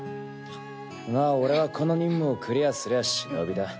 まぁ俺はこの任務をクリアすりゃ忍だ。